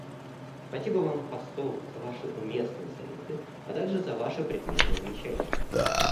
Спасибо Вам, посол, за Ваши уместные советы, а также за Ваши предметные замечания.